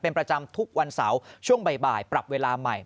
เป็นประจำทุกวันเสาร์ช่วงบ่ายปรับเวลาใหม่